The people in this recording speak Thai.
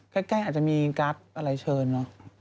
ใกล้อาจจะมีกรา๊บอะไรเชิญเหรอ